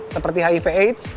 seperti hiv aids